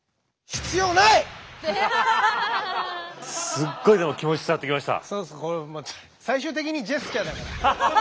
すっごいでも気持ち伝わってきました。